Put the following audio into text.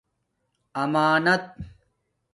امݳ ائت